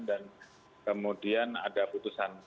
dan kemudian ada putusan pk